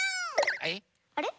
あれ？